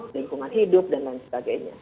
lingkungan hidup dan lain sebagainya